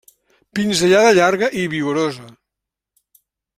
Pinzellada llarga i vigorosa.